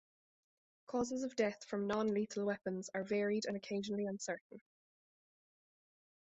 Causes of death from non-lethal weapons are varied and occasionally uncertain.